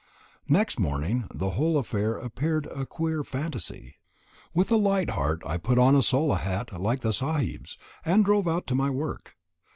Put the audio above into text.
Next morning the whole affair appeared a queer fantasy. With a light heart I put on a sola hat like the sahebs, and drove out to my work.